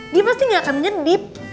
dia pasti gak akan nyedip